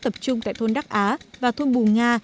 tập trung tại thôn đắc á và thôn bù nga